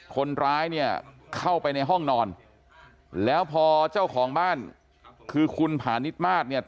คนร้ายเนี่ยเข้าไปในห้องนอนแล้วพอเจ้าของบ้านคือคุณผานิดมาสเนี่ย